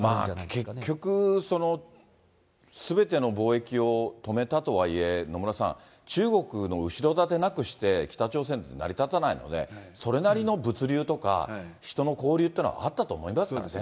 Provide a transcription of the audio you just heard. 結局、すべての貿易を止めたとはいえ、野村さん、中国の後ろ盾なくして、北朝鮮って成り立たないので、それなりの物流とか人の交流ってのそうですよね。